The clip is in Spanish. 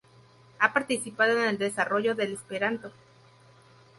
Ha participado en el desarrollo del esperanto.